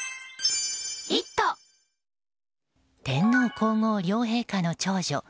天皇・皇后両陛下の長女